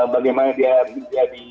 bagaimana dia menjadi